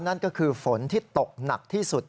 นั่นก็คือฝนที่ตกหนักที่สุด